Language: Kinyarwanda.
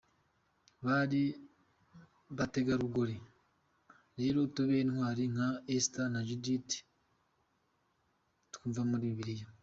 Bari, Bategarugori rero tube intwari nka Esther na Yudita twumva muri Bibiliya.